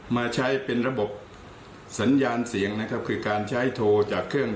มาใช้เป็นระบบสัญญาณเสียงนะครับคือการใช้โทรจากเครื่อง